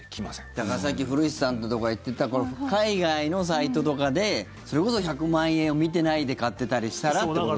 だからさっき古市さんが言ってた海外のサイトとかでそれこそ１００万円を見てないで買ってたりしたらってことだ。